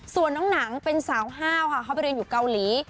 ส่วนน้องหนังเป็นสาวห้าวค่ะเขาไปเรียนอยู่เกาหลี